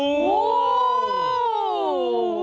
อู้